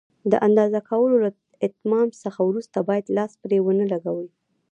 د اندازه کولو له اتمام څخه وروسته باید لاس پرې ونه لګوئ.